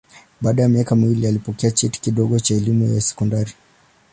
Baada ya miaka miwili alipokea cheti kidogo cha elimu ya sekondari.